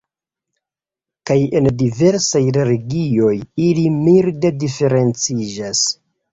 Kaj en diversaj regionoj ili milde diferenciĝas.